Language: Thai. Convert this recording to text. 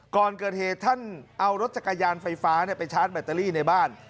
ก่อนเกิดเหตุท่านเอารถจักรยานไฟฟ้าไปชาร์จแบตเตอรี่ในบ้าน